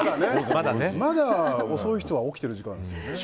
まだ遅い人は起きてる時間ですよね。